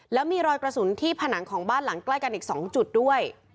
แล้วมีรอยกระสุนที่ผนังของบ้านหลังใกล้กันอีก๒จุดด้วย